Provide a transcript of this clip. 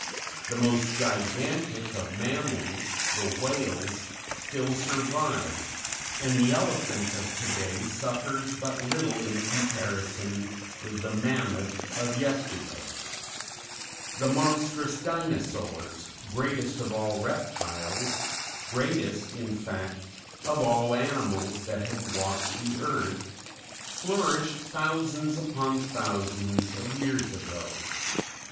The most gigantic of mammals the whales still survive, and the elephant of to day suffers but little in comparison with the mammoth of yesterday; the monstrous Dinosaurs, greatest of all reptiles greatest, in fact, of all animals that have walked the earth flourished thousands upon thousands of years ago.